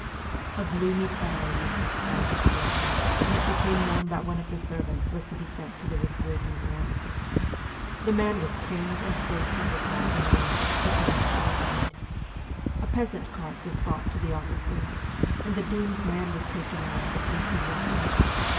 A gloomy terror used to spread through our house when it became known that one of the servants was to be sent to the recruiting board. The man was chained and placed under guard in the office to prevent suicide. A peasant cart was brought to the office door, and the doomed man was taken out between two watchmen.